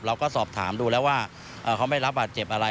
เราก็สอบถามดูแล้วว่าเขาไม่รับบาดเจ็บอะไร